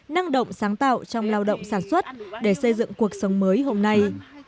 năng động sáng tạo trong lao động sản xuất để xây dựng cuộc sống mới hôm nay